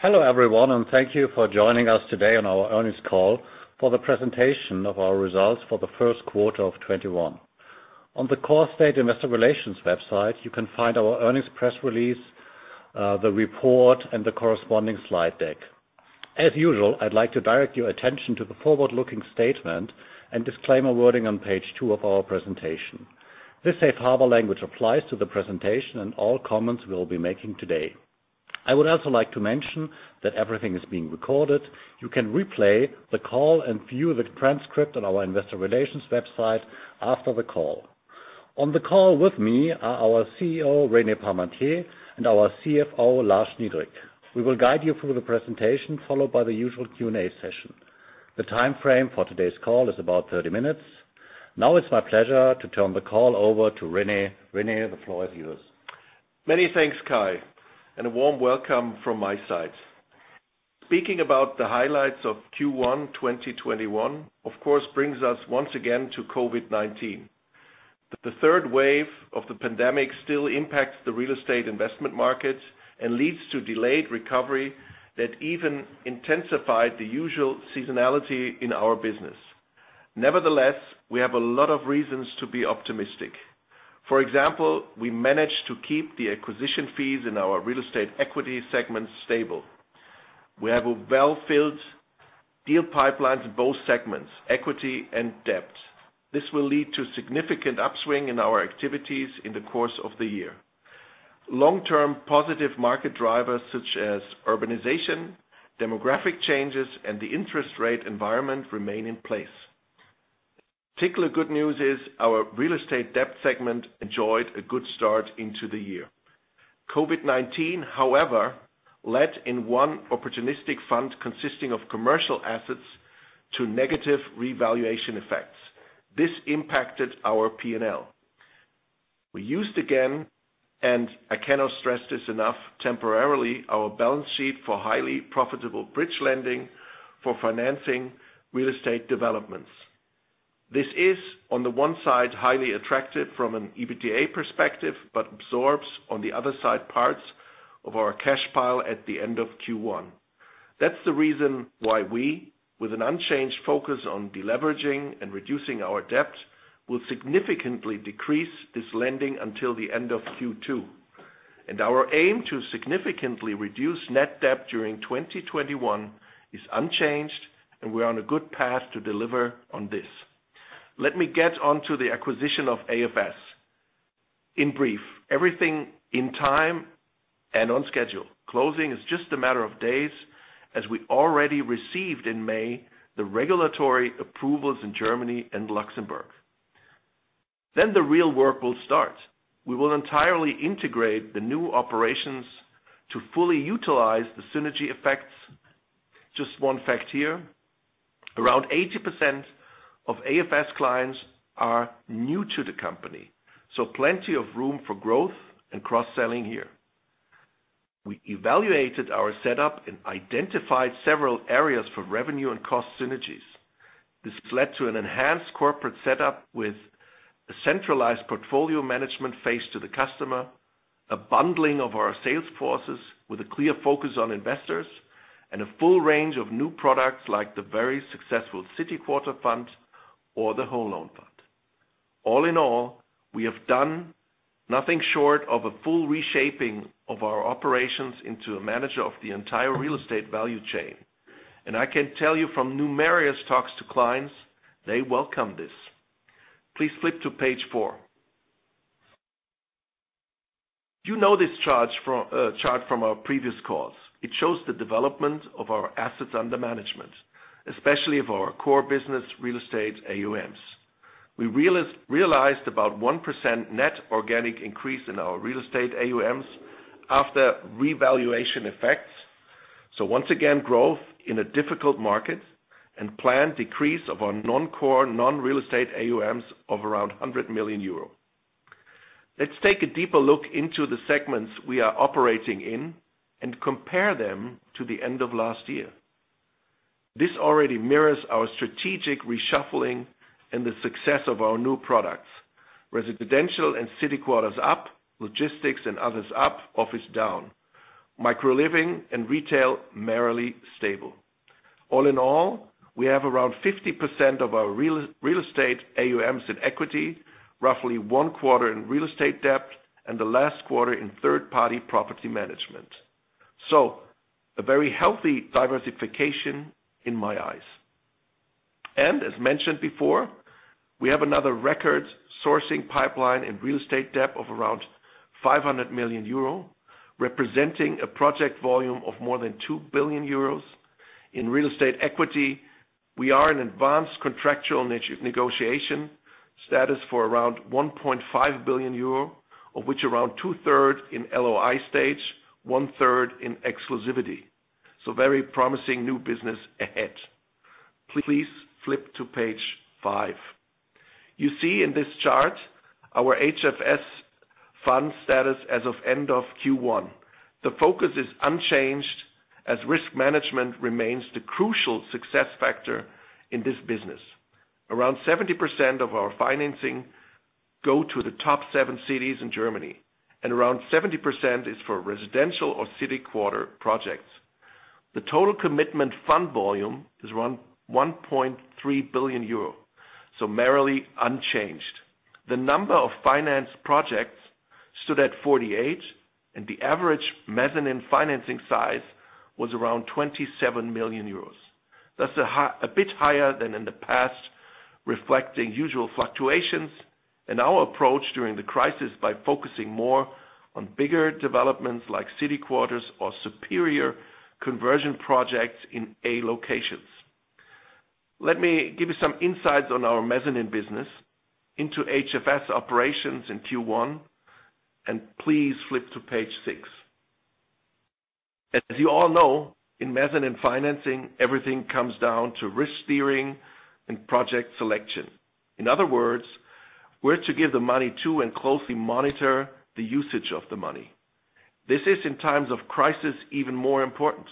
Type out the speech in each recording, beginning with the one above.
Hello everyone, thank you for joining us today on our earnings call for the presentation of our results for the first quarter of 2021. On the Corestate Investor Relations website, you can find our earnings press release, the report, and the corresponding slide deck. As usual, I'd like to direct your attention to the forward-looking statement and disclaimer wording on page two of our presentation. This safe harbor language applies to the presentation and all comments we'll be making today. I would also like to mention that everything is being recorded. You can replay the call and view the transcript on our investor relations website after the call. On the call with me are our CEO, René Parmantier, and our CFO, Lars Schnidrig. We will guide you through the presentation, followed by the usual Q&A session. The timeframe for today's call is about 30 minutes. Now it's my pleasure to turn the call over to René. René, the floor is yours. Many thanks, Kai, and a warm welcome from my side. Speaking about the highlights of Q1 2021, of course, brings us once again to COVID-19. The third wave of the pandemic still impacts the real estate investment markets and leads to delayed recovery that even intensified the usual seasonality in our business. Nevertheless, we have a lot of reasons to be optimistic. For example, we managed to keep the acquisition fees in our real estate equity segment stable. We have a well-filled deal pipeline in both segments, equity and debt. This will lead to significant upswing in our activities in the course of the year. Long-term positive market drivers such as urbanization, demographic changes, and the interest rate environment remain in place. Particularly good news is our real estate debt segment enjoyed a good start into the year. COVID-19, however, led in one opportunistic fund consisting of commercial assets to negative revaluation effects. This impacted our P&L. We used, again, and I cannot stress this enough, temporarily our balance sheet for highly profitable bridge lending for financing real estate developments. This is, on the one side, highly attractive from an EBITDA perspective but absorbs on the other side parts of our cash pile at the end of Q1. That's the reason why we, with an unchanged focus on deleveraging and reducing our debt, will significantly decrease this lending until the end of Q2. Our aim to significantly reduce net debt during 2021 is unchanged, and we're on a good path to deliver on this. Let me get onto the acquisition of AFS. In brief, everything in time and on schedule. Closing is just a matter of days, as we already received in May the regulatory approvals in Germany and Luxembourg. The real work will start. We will entirely integrate the new operations to fully utilize the synergy effects. Just one fact here. Around 80% of AFS clients are new to the company, so plenty of room for growth and cross-selling here. We evaluated our setup and identified several areas for revenue and cost synergies. This led to an enhanced corporate setup with a centralized portfolio management phase to the customer, a bundling of our sales forces with a clear focus on investors, and a full range of new products like the very successful City Quarter fund or the Whole Loan fund. All in all, we have done nothing short of a full reshaping of our operations into a manager of the entire real estate value chain. I can tell you from numerous talks to clients, they welcome this. Please flip to page four. You know this chart from our previous calls. It shows the development of our assets under management, especially of our core business real estate AUMs. We realized about 1% net organic increase in our real estate AUMs after revaluation effects. Once again, growth in a difficult market and planned decrease of our non-core non-real estate AUMs of around 100 million euro. Let's take a deeper look into the segments we are operating in and compare them to the end of last year. This already mirrored our strategic reshuffling and the success of our new products. Residential and city quarters up, logistics and others up, office down. Micro living and retail merely stable. All in all, we have around 50% of our real estate AUMs in equity, roughly one quarter in real estate debt, and the last quarter in third-party property management. A very healthy diversification in my eyes. As mentioned before, we have another record sourcing pipeline in real estate debt of around 500 million euro, representing a project volume of more than 2 billion euros. In real estate equity, we are in advanced contractual negotiation status for around 1.5 billion euro, of which around 2/3 in LOI stage, 1/3 in exclusivity. Very promising new business ahead. Please flip to page five. You see in this chart our HFS fund status as of end of Q1. The focus is unchanged as risk management remains the crucial success factor in this business. Around 70% of our financing go to the top seven cities in Germany. Around 70% is for residential or City Quarter projects. The total commitment fund volume is around 1.3 billion euro. Merely unchanged. The number of finance projects stood at 48. The average mezzanine financing size was around 27 million euros. That's a bit higher than in the past, reflecting usual fluctuations and our approach during the crisis by focusing more on bigger developments like City Quarters or superior conversion projects in A-locations. Let me give you some insights on our mezzanine business into HFS operations in Q1. Please flip to page six. As you all know, in mezzanine financing, everything comes down to risk steering and project selection. In other words, where to give the money to and closely monitor the usage of the money. This is in times of crisis even more important.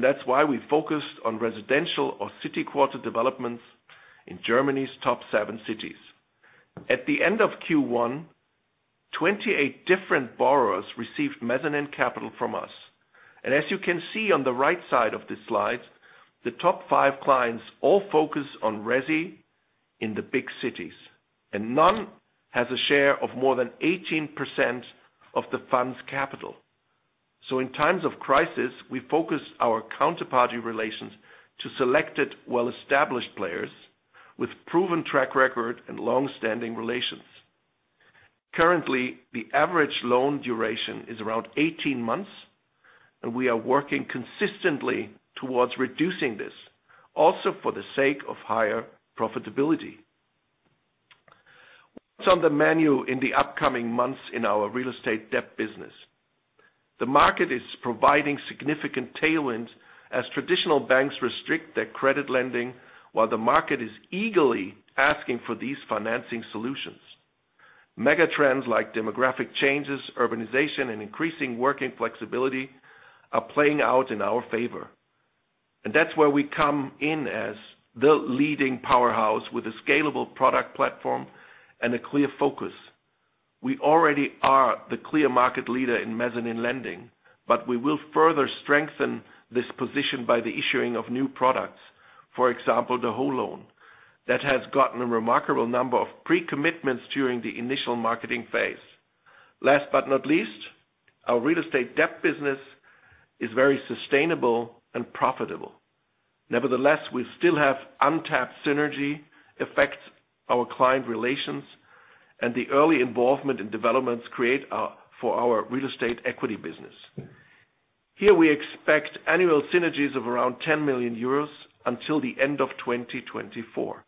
That's why we focused on residential or city quarter developments in Germany's top seven cities. At the end of Q1, 28 different borrowers received mezzanine capital from us. As you can see on the right side of the slide, the top five clients all focus on resi in the big cities, and none has a share of more than 18% of the fund's capital. In times of crisis, we focus our counterparty relations to selected well-established players with proven track record and long-standing relations. Currently, the average loan duration is around 18 months, and we are working consistently towards reducing this, also for the sake of higher profitability. What's on the menu in the upcoming months in our real estate debt business? The market is providing significant tailwinds as traditional banks restrict their credit lending while the market is eagerly asking for these financing solutions. Megatrends like demographic changes, urbanization, and increasing working flexibility are playing out in our favor. That's where we come in as the leading powerhouse with a scalable product platform and a clear focus. We already are the clear market leader in mezzanine lending, but we will further strengthen this position by the issuing of new products. For example, the whole loan. That has gotten a remarkable number of pre-commitments during the initial marketing phase. Last but not least, our real estate debt business is very sustainable and profitable. Nevertheless, we still have untapped synergy effects our client relations, and the early involvement in developments create for our real estate equity business. Here we expect annual synergies of around 10 million euros until the end of 2024.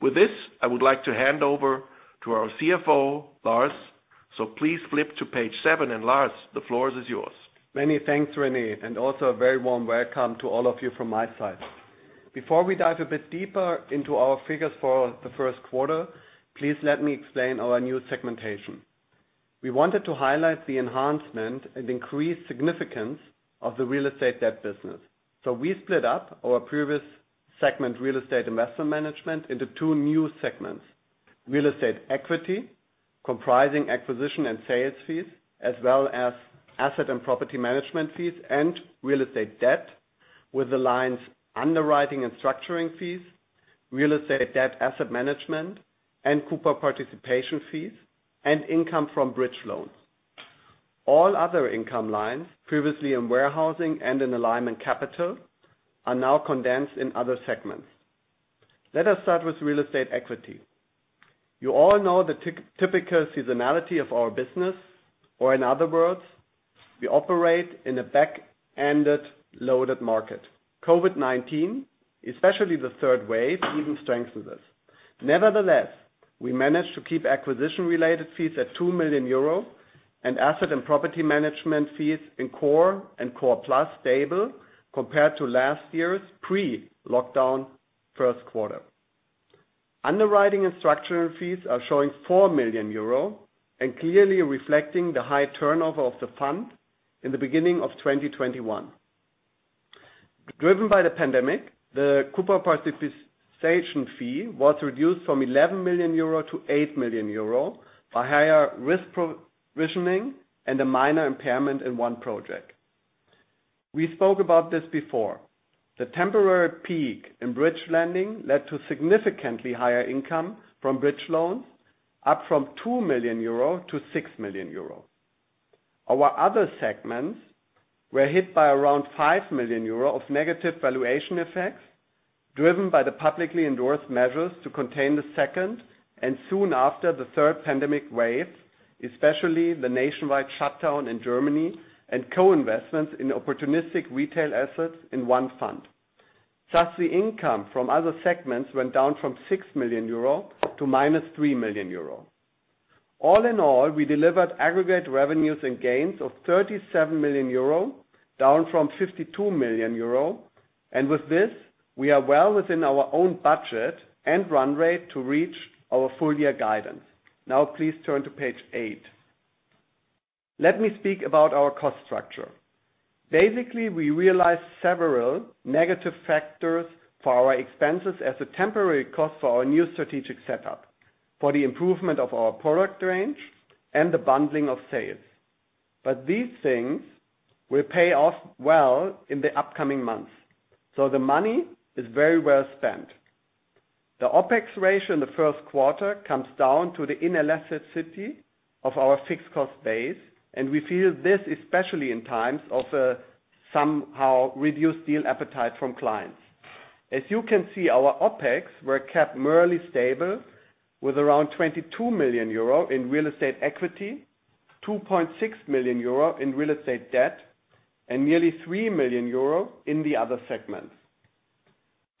With this, I would like to hand over to our CFO, Lars. Please flip to page seven. Lars, the floor is yours. Many thanks, René, and also a very warm welcome to all of you from my side. Before we dive a bit deeper into our figures for the first quarter, please let me explain our new segmentation. We wanted to highlight the enhancement and increased significance of the real estate debt business. We split up our previous segment, real estate investment management, into two new segments: real estate equity, comprising acquisition and sales fees, as well as asset and property management fees, and real estate debt, with the lines underwriting and structuring fees, real estate debt asset management, and coupon participation fees, and income from bridge loans. All other income lines previously in warehousing and in alignment capital are now condensed in other segments. Let us start with real estate equity. You all know the typical seasonality of our business, or in other words, we operate in a back-ended loaded market. COVID-19, especially the third wave, even strengthened this. Nevertheless, we managed to keep acquisition-related fees at 2 million euro and asset and property management fees in Core and Core+ stable compared to last year's pre-lockdown first quarter. Underwriting and structuring fees are showing 4 million euro and clearly reflecting the high turnover of the fund in the beginning of 2021. Driven by the pandemic, the coupon participation fee was reduced from 11 million euro to 8 million euro by higher risk provisioning and a minor impairment in one project. We spoke about this before. The temporary peak in bridge lending led to significantly higher income from bridge loans, up from 2 million euro to 6 million euro. Our other segments were hit by around 5 million euro of negative valuation effects driven by the publicly-endorsed measures to contain the second and soon after the third pandemic waves, especially the nationwide shutdown in Germany and co-investments in opportunistic retail assets in one fund. The income from other segments went down from 6 million euro to -3 million euro. All in all, we delivered aggregate revenues and gains of 37 million euro, down from 52 million euro. With this, we are well within our own budget and run rate to reach our full year guidance. Please turn to page eight. Let me speak about our cost structure. We realized several negative factors for our expenses as a temporary cost for our new strategic setup, for the improvement of our product range and the bundling of sales. These things will pay off well in the upcoming months. The money is very well spent. The OpEx ratio in the first quarter comes down to the inelasticity of our fixed cost base, and we feel this especially in times of somehow reduced deal appetite from clients. As you can see, our OpEx were kept merely stable with around 22 million euro in real estate equity, 2.6 million euro in real estate debt, and nearly 3 million euro in the other segments.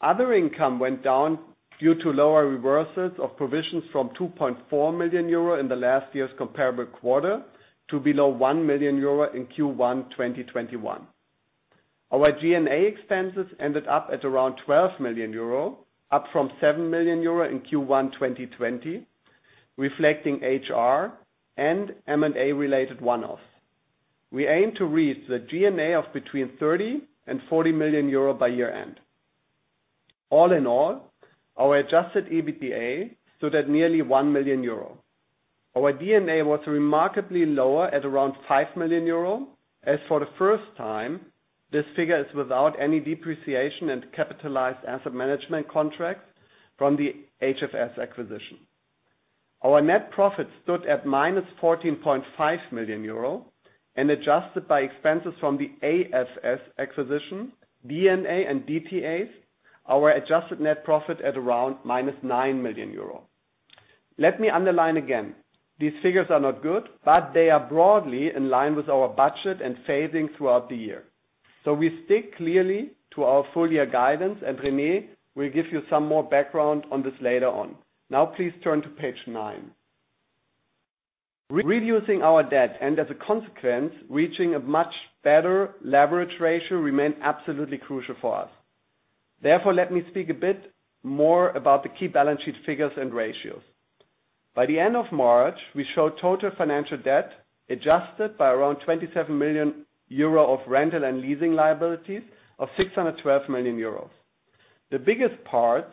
Other income went down due to lower reversals of provisions from 2.4 million euro in the last year's comparable quarter to below 1 million euro in Q1 2021. Our G&A expenses ended up at around 12 million euro, up from 7 million euro in Q1 2020, reflecting HR and M&A related one-offs. We aim to reach the G&A of between 30 million and 40 million euro by year-end. All in all, our adjusted EBITDA stood at nearly 1 million euro. Our D&A was remarkably lower at around 5 million euro, as for the first time, this figure is without any depreciation and capitalized asset management contracts from the HFS acquisition. Our net profit stood at -14.5 million euro and adjusted by expenses from the AFS acquisition, D&A and DTAs, our adjusted net profit at around -9 million euro. Let me underline again, these figures are not good, but they are broadly in line with our budget and phasing throughout the year. We stick clearly to our full-year guidance, and René will give you some more background on this later on. Now please turn to page nine. Reducing our debt and as a consequence, reaching a much better leverage ratio remains absolutely crucial for us. Therefore, let me speak a bit more about the key balance sheet figures and ratios. By the end of March, we showed total financial debt adjusted by around 27 million euro of rental and leasing liabilities of 612 million euros. The biggest parts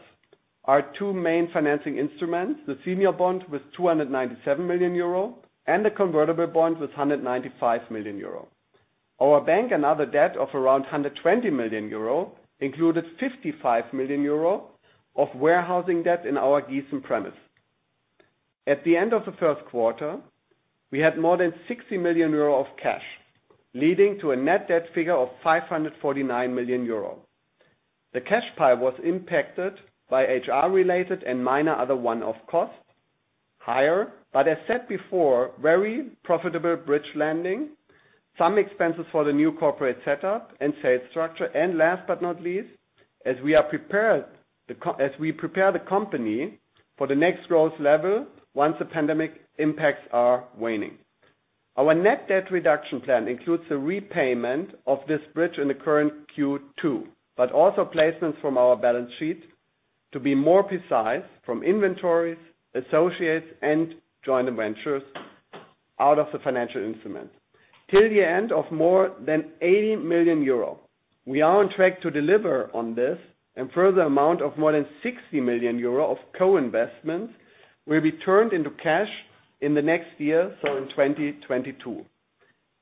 are two main financing instruments, the senior bond with 297 million euro and the convertible bond with 195 million euro. Our bank and other debt of around 120 million euro included 55 million euro of warehousing debt in our Giessen premise. At the end of the first quarter, we had more than 60 million euro of cash, leading to a net debt figure of 549 million euro. The cash pile was impacted by HR-related and minor other one-off costs higher, but as said before, very profitable bridge lending, some expenses for the new corporate setup and sales structure, and last but not least, as we prepare the company for the next growth level once the pandemic impacts are waning. Our net debt reduction plan includes the repayment of this bridge in the current Q2, but also placements from our balance sheet to be more precise from inventories, associates, and joint ventures out of the financial instruments to the end of more than 80 million euro. We are on track to deliver on this and further amount of more than 60 million euro of co-investments will be turned into cash in the next year, so in 2022.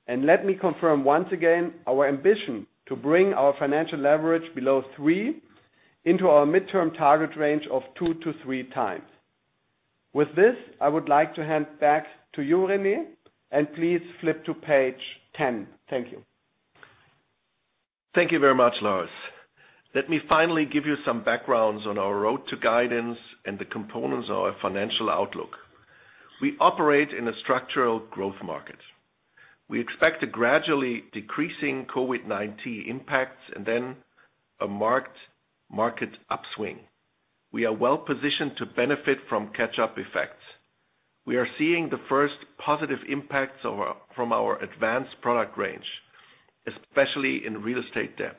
Let me confirm once again our ambition to bring our financial leverage below 3x into our midterm target range of 2x-3x. With this, I would like to hand back to you, René. Please flip to page 10. Thank you. Thank you very much, Lars. Let me finally give you some backgrounds on our road to guidance and the components of our financial outlook. We operate in a structural growth market. We expect a gradually decreasing COVID-19 impact and then a marked market upswing. We are well-positioned to benefit from catch-up effects. We are seeing the first positive impacts from our advanced product range, especially in real estate debt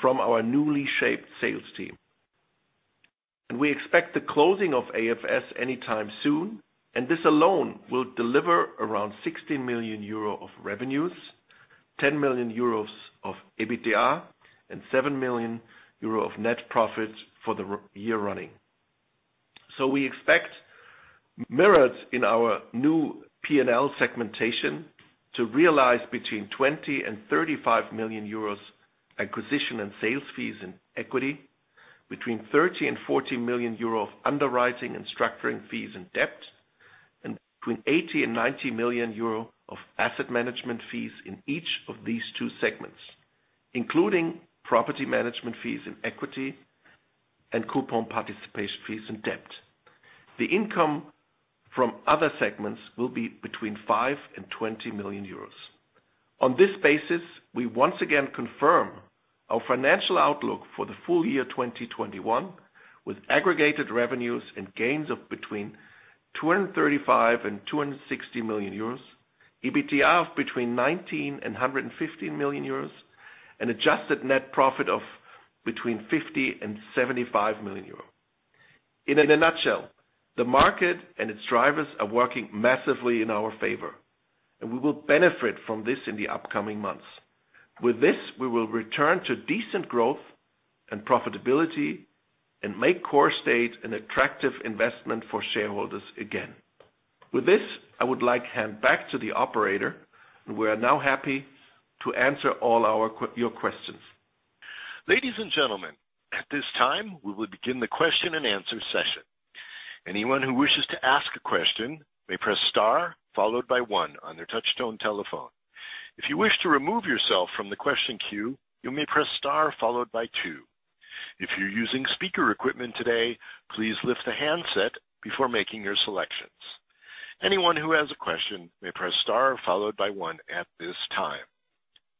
from our newly shaped sales team. We expect the closing of AFS anytime soon, and this alone will deliver around 16 million euro of revenues, 10 million euros of EBITDA, and 7 million euro of net profits for the year running. We expect mirrored in our new P&L segmentation to realize between 20 million and 35 million euros acquisition and sales fees in equity, between 30 million and 40 million euro of underwriting and structuring fees and debt, and between 80 million and 90 million euro of asset management fees in each of these two segments. Including property management fees in equity and coupon participation fees in debt. The income from other segments will be between 5 million and 20 million euros. On this basis, we once again confirm our financial outlook for the full year 2021, with aggregated revenues and gains of between 235 million and 260 million euros, EBITDA of between 90 million euros and 115 million euros, and adjusted net profit of between 50 million and 75 million euros. In a nutshell, the market and its drivers are working massively in our favor, and we will benefit from this in the upcoming months. With this, we will return to decent growth and profitability and make Corestate an attractive investment for shareholders again. With this, I would like to hand back to the operator, and we are now happy to answer all your questions. Ladies and gentlemen, at this time, we will begin the question and answer session. Anyone who wishes to ask a question may press star followed by one on their touch-tone telephone. If you wish to remove yourself from the question queue, you may press star followed by two. If you're using speaker equipment today, please lift the handset before making your selections. Anyone who has a question may press star followed by one at this time.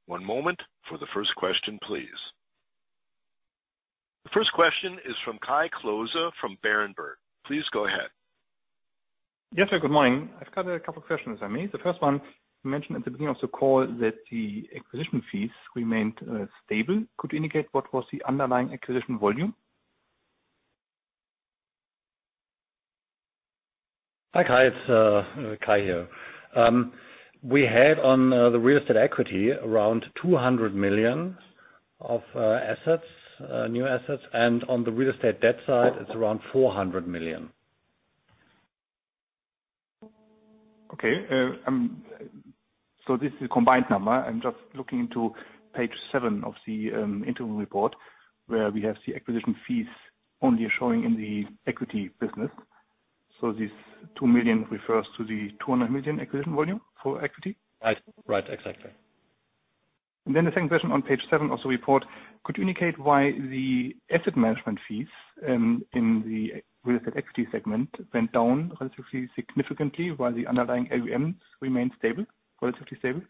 One moment for the first question, please. The first question is from Kai Klose from Berenberg. Please go ahead. Yes, sir. Good morning. I've got a couple of questions, if I may. The first one, you mentioned at the beginning of the call that the acquisition fees remained stable. Could you indicate what was the underlying acquisition volume? Hi, Kai. It's Kai here. We had on the real estate equity around 200 million of new assets, and on the real estate debt side, it's around 400 million. Okay. This is a combined number. I'm just looking to page seven of the interim report, where we have the acquisition fees only showing in the equity business. This 2 million refers to the 200 million acquisition volume for equity? Right. Exactly. The second question on page seven of the report, could you indicate why the asset management fees in the real estate equity segment went down relatively significantly while the underlying AUM remained relatively stable?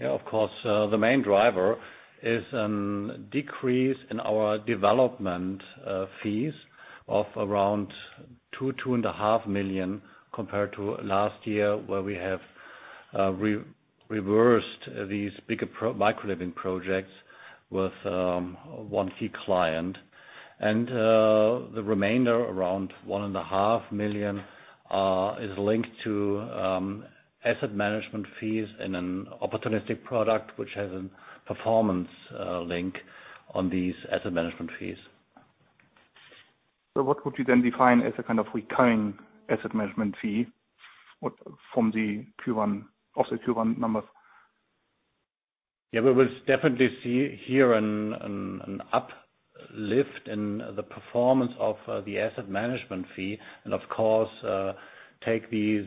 Of course. The main driver is a decrease in our development fees of around 2 million, 2.5 million compared to last year, where we have reversed these bigger micro-living projects with one key client. The remainder, around 1.5 million, is linked to asset management fees in an opportunistic product, which has a performance link on these asset management fees. What would you then define as a kind of recurring asset management fee from the offset Q1 numbers? Yeah, we will definitely see here an uplift in the performance of the asset management fee. Of course, take these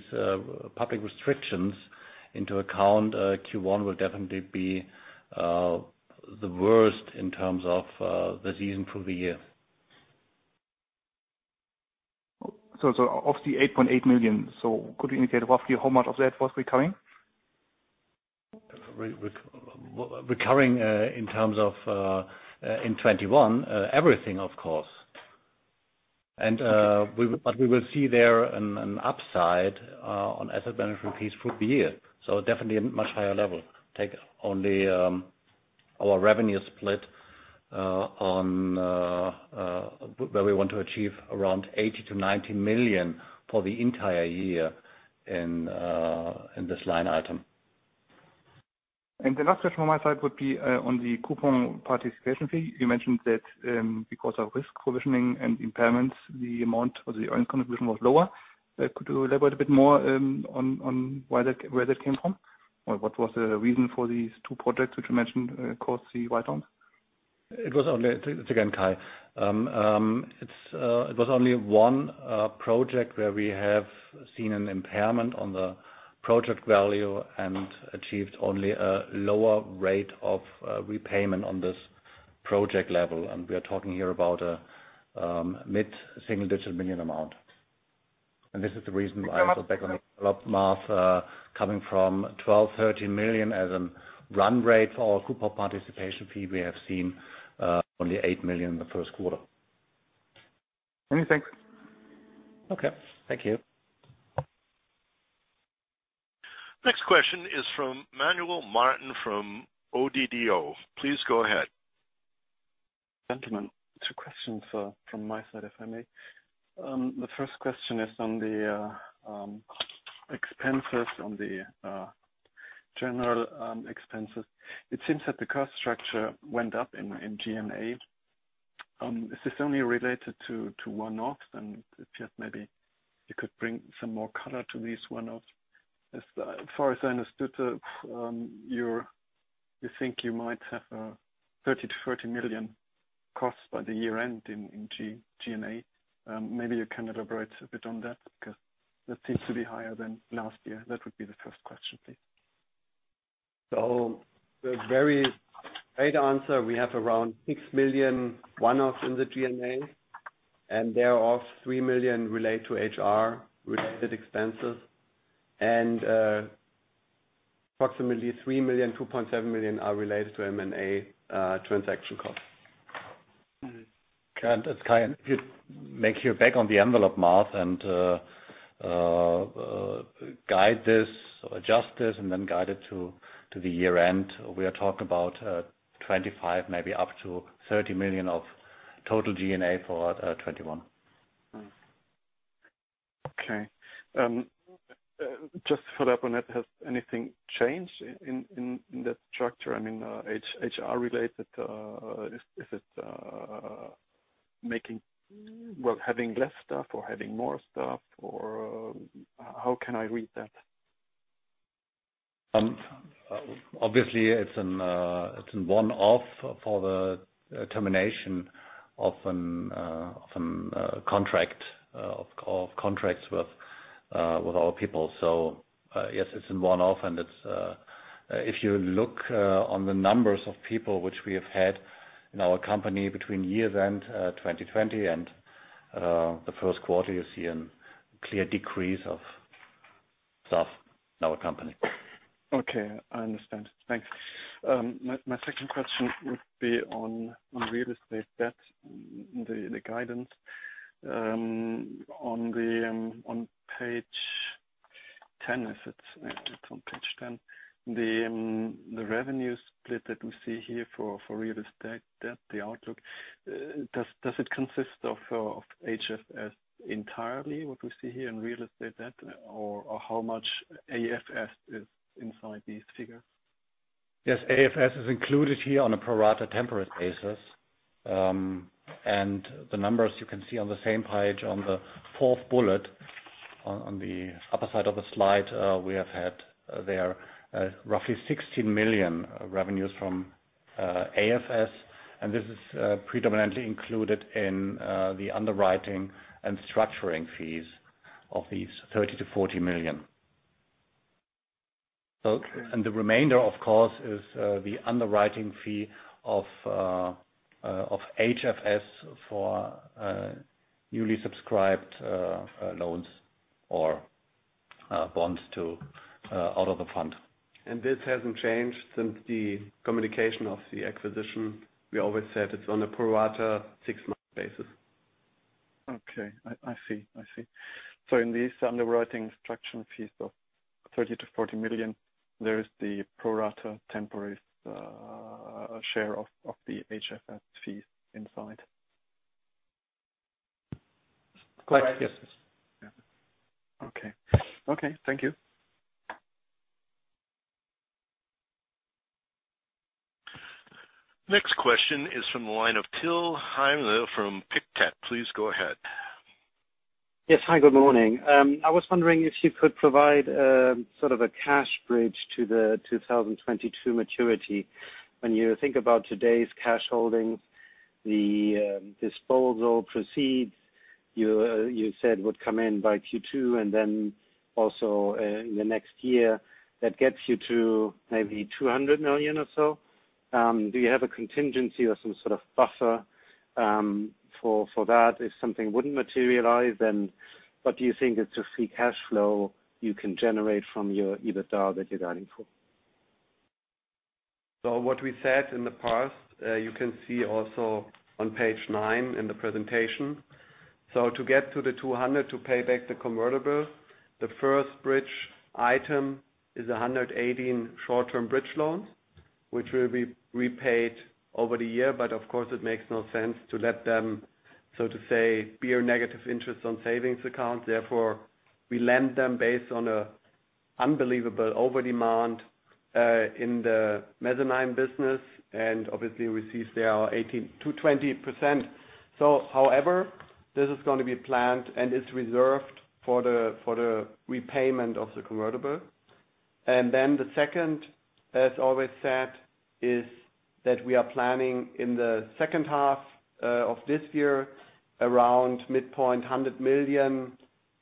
public restrictions into account. Q1 will definitely be the worst in terms of the season for the year. Of the 8.8 million, could you indicate roughly how much of that was recurring? Recurring in terms of in 2021, everything, of course. We will see there an upside on asset management fees through the year. Definitely a much higher level. Take only our revenue split where we want to achieve around 80 million-90 million for the entire year in this line item. The last question on my side would be on the coupon participation fee. You mentioned that because of risk provisioning and impairments, the amount for the income provision was lower. Could you elaborate a bit more on where that came from? What was the reason for these two projects that you mentioned caused the write-down? Again, Kai. It was only one project where we have seen an impairment on the project value and achieved only a lower rate of repayment on this project level. We're talking here about a mid-single digit million amount. This is the reason why back on the math, coming from 12 million, 13 million as a run rate for our coupon participation fee, we have seen only 8 million in the first quarter. Many thanks. Okay. Thank you. Next question is from Manuel Martin from ODDO. Please go ahead. Gentlemen, two questions from my side, if I may. The first question is on the general expenses. It seems that the cost structure went up in G&A. Is this only related to one-offs? If yes, maybe you could bring some more color to these one-offs. As far as I understood, you think you might have a 30 million-40 million cost by the year end in G&A. Maybe you can elaborate a bit on that because that seems to be higher than last year. That would be the first question, please. The very straight answer, we have around 6 million one-offs in the G&A, and thereof 3 million relate to HR related expenses, and approximately 3 million, 2.7 million are related to M&A transaction costs. It's Kai. Make your back-of-the-envelope math and adjust this and then guide it to the year end. 25 million, maybe up to 30 million of total G&A for 2021. Okay. Just to follow up on it, has anything changed in that structure? I mean, HR related, is it having less staff or having more staff, or how can I read that? It's a one-off for the termination of contracts with our people. Yes, it's a one-off. If you look on the numbers of people which we have had in our company between year-end 2020 and the first quarter, you see a clear decrease of staff in our company. Okay, I understand. Thanks. My second question would be on real estate debt, the guidance. On page 10, the revenue split that we see here for real estate debt, the outlook. Does it consist of HFS entirely, what we see here in real estate debt, or how much AFS is inside these figures? Yes, AFS is included here on a pro rata temporis basis. The numbers you can see on the same page on the fourth bullet on the upper side of the slide, we have had there roughly 60 million revenues from AFS. This is predominantly included in the underwriting and structuring fees of these 30 million-40 million. Okay. The remainder, of course, is the underwriting fee of HFS for newly subscribed loans or bonds out of the fund. This hasn't changed since the communication of the acquisition. We always said it's on a pro rata six-month basis. Okay. I see. In these underwriting structuring fees of 30 million-40 million, there is the pro rata temporary share of the HFS fees inside? Yes. Okay. Thank you. Next question is from the line of Till Heimlich from Pictet. Please go ahead. Yes, hi, good morning. I was wondering if you could provide a sort of a cash bridge to the 2022 maturity. When you think about today's cash holdings, the disposal proceeds you said would come in by Q2 and then also in the next year, that gets you to maybe 200 million or so. Do you have a contingency or some sort of buffer for that if something wouldn't materialize? What do you think is the free cash flow you can generate from your EBITDA that you're guiding for? What we said in the past, you can see also on page nine in the presentation. To get to the 200 million to pay back the convertible, the first bridge item is 118 million short-term bridge loans, which will be repaid over the year, but of course, it makes no sense to let them, so to say, bear negative interest on savings accounts. Therefore, we lend them based on an unbelievable overdemand in the mezzanine business, and obviously we see there 18%-20%. However, this is going to be planned and is reserved for the repayment of the convertible. The second, as always said, is that we are planning in the second half of this year around midpoint 100 million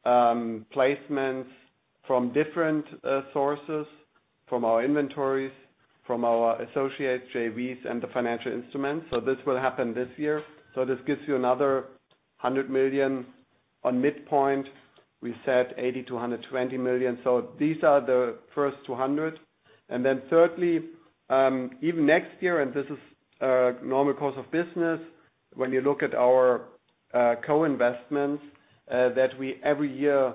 placements from different sources, from our inventories, from our associates, JVs and the financial instruments. This will happen this year. This gives you another 100 million on midpoint. We said 80 million-120 million. These are the first 200 million. Thirdly, even next year, and this is normal course of business, when you look at our co-investments that we every year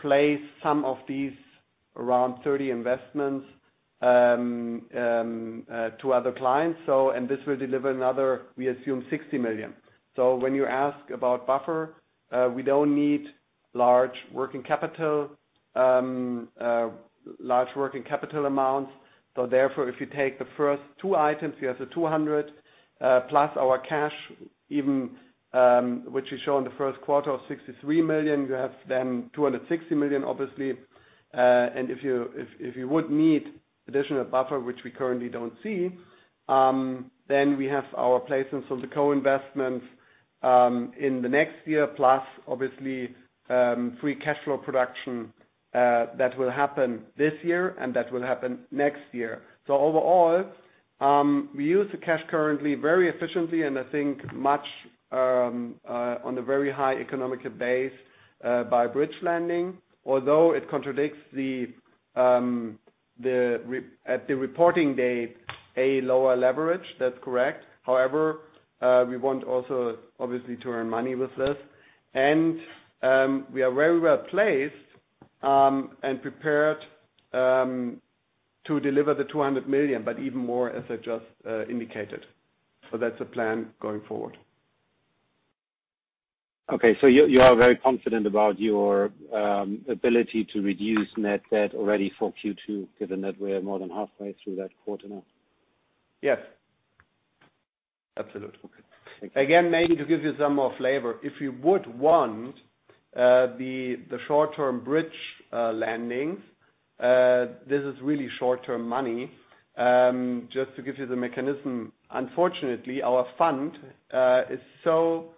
place some of these around 30 investments to other clients. This will deliver another, we assume, 60 million. When you ask about buffer, we don't need large working capital amounts. If you take the first two items, you have the 200 million plus our cash even, which is shown in the first quarter of 63 million, you have then 260 million obviously. If you would need additional buffer, which we currently don't see, then we have our placements on the co-investments in the next year plus obviously free cash flow production that will happen this year and that will happen next year. Overall, we use the cash currently very efficiently and I think much on a very high economical base by bridge lending. Although it contradicts at the reporting date, a lower leverage, that's correct. However, we want also obviously to earn money with this. We are very well-placed and prepared to deliver the 200 million, but even more as I just indicated. That's the plan going forward. Okay. You are very confident about your ability to reduce net debt already for Q2, given that we are more than halfway through that quarter now? Yes. Absolutely. Okay. Thank you. Again, maybe to give you some more flavor, if you would want the short-term bridge lendings, this is really short-term money. Just to give you the mechanism, unfortunately, our fund is so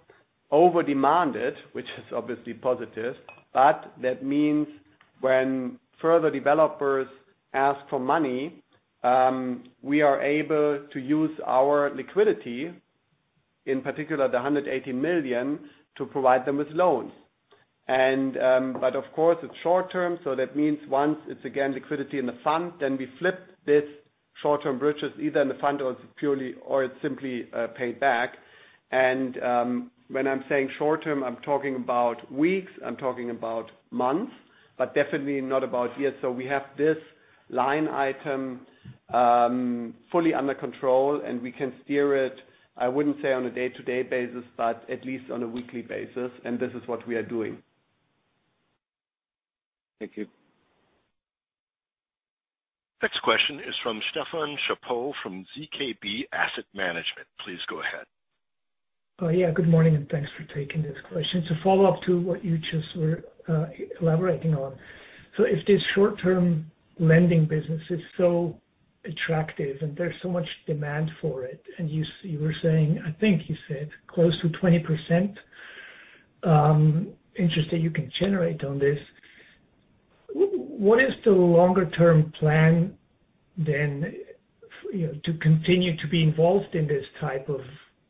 over demanded, which is obviously positive, but that means when further developers ask for money, we are able to use our liquidity, in particular the 118 million, to provide them with loans. Of course, it's short-term, so that means once it's again liquidity in the fund, then we flip this short-term bridges either in the fund or it's simply paid back. When I'm saying short-term, I'm talking about weeks, I'm talking about months, but definitely not about years. We have this line item fully under control, and we can steer it, I wouldn't say on a day-to-day basis, but at least on a weekly basis. This is what we are doing. Thank you. Next question is from Stefan Chappot from ZKB Asset Management. Please go ahead. Yeah, good morning and thanks for taking this question. To follow up to what you just were elaborating on. If this short-term lending business is so attractive and there's so much demand for it, and you were saying, I think you said close to 20% interest that you can generate on this. What is the longer term plan then to continue to be involved in this type of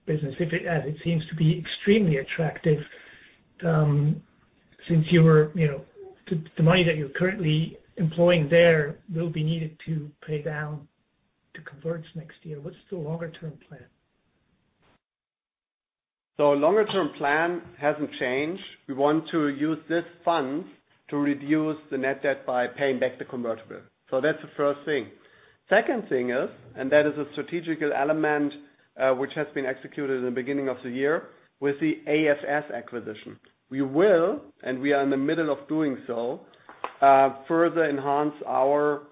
business? It seems to be extremely attractive since the money that you're currently employing there will be needed to pay down the converts next year. What's the longer term plan? Longer term plan hasn't changed. We want to use these funds to reduce the net debt by paying back the convertible. That's the first thing. Second thing is, that is a strategic element which has been executed in the beginning of the year with the AFS acquisition. We will, we are in the middle of doing so, further enhance our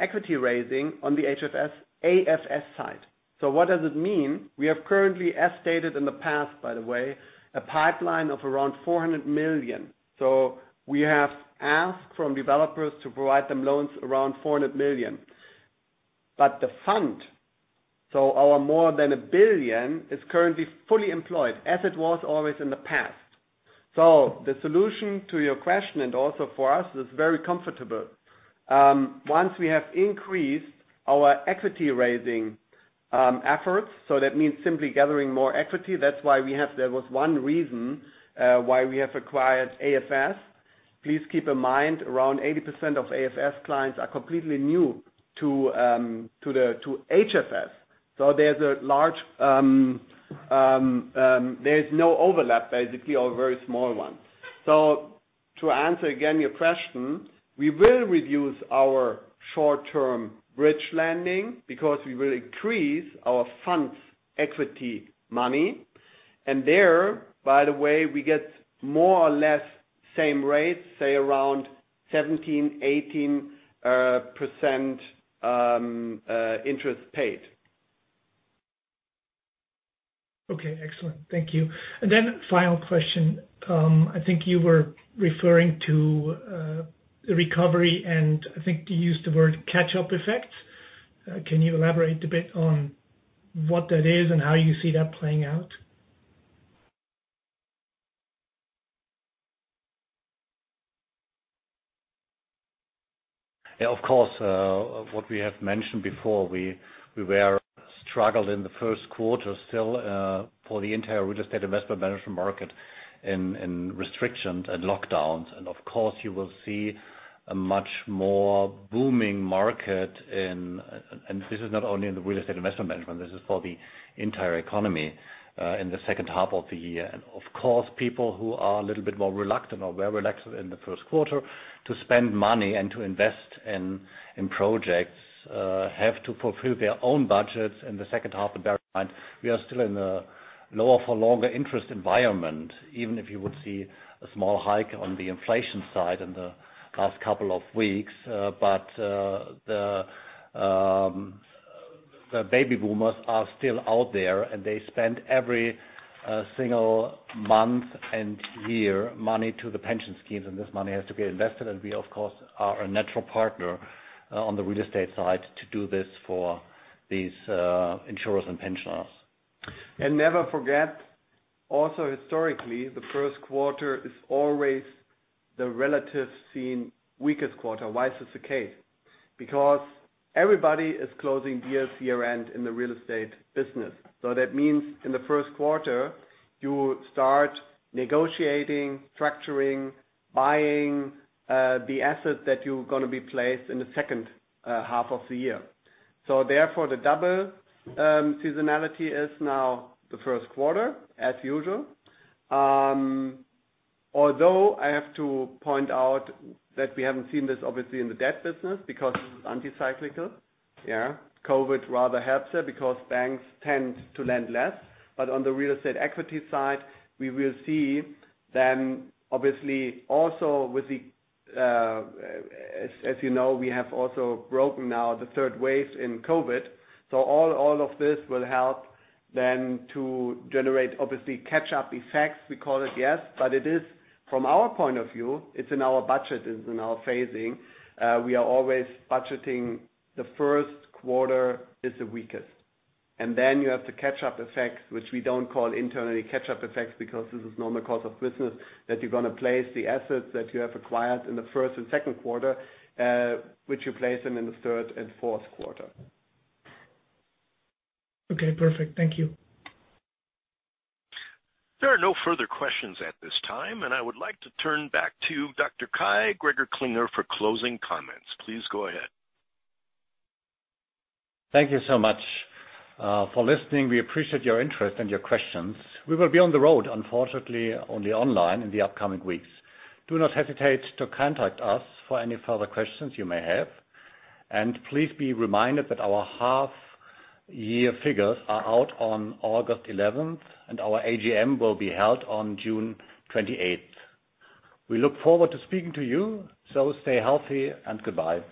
equity raising on the HFS, AFS side. What does it mean? We have currently, as stated in the past, by the way, a pipeline of around 400 million. We have asked from developers to provide them loans around 400 million. The fund, our more than 1 billion, is currently fully employed as it was always in the past. The solution to your question, also for us, is very comfortable. Once we have increased our equity raising efforts, that means simply gathering more equity. That's why there was one reason why we have acquired AFS. Please keep in mind, around 80% of AFS clients are completely new to HFS. There's no overlap, basically, or a very small one. To answer again your question, we will reduce our short-term bridge lending because we will increase our fund's equity money. There, by the way, we get more or less same rates, say around 17%, 18% interest paid. Okay, excellent. Thank you. Final question. I think you were referring to the recovery, and I think you used the word catch-up effect. Can you elaborate a bit on what that is and how you see that playing out? Yeah, of course. What we have mentioned before, we were struggled in the first quarter still for the entire real estate investment management market in restrictions and lockdowns. Of course, you will see a much more booming market in, and this is not only in the real estate investment management, this is for the entire economy in the second half of the year. Of course, people who are a little bit more reluctant or were reluctant in the first quarter to spend money and to invest in projects have to fulfill their own budgets in the second half. Bear in mind, we are still in a lower for longer interest environment, even if you would see a small hike on the inflation side in the past couple of weeks. The baby boomers are still out there, and they spend every single month and year money to the pension schemes, and this money has to be invested. We, of course, are a natural partner on the real estate side to do this for these insurers and pensioners. Never forget, also historically, the first quarter is always the relative seen weakest quarter. Why is this the case? Everybody is closing deals year-end in the real estate business. That means in the first quarter, you start negotiating, structuring, buying the assets that you're going to be placed in the second half of the year. Therefore, the double seasonality is now the first quarter as usual. Although I have to point out that we haven't seen this obviously in the debt business because this is anti-cyclical. Yeah. COVID rather helps there because banks tend to lend less. On the real estate equity side, we will see then obviously also, as you know, we have also broken now the third wave in COVID. All of this will help then to generate obviously catch-up effects, we call it, yes. It is from our point of view, it's in our budget, it's in our phasing. We are always budgeting the first quarter is the weakest. Then you have the catch-up effect, which we don't call internally catch-up effect because this is normal course of business, that you're going to place the assets that you have acquired in the first and second quarter, which you place them in the third and fourth quarter. Okay, perfect. Thank you. There are no further questions at this time, and I would like to turn back to Dr. Kai Gregor Klinger for closing comments. Please go ahead. Thank you so much for listening. We appreciate your interest and your questions. We will be on the road, unfortunately only online, in the upcoming weeks. Do not hesitate to contact us for any further questions you may have. Please be reminded that our half year figures are out on August 11th, and our AGM will be held on June 28th. We look forward to speaking to you, so stay healthy and goodbye.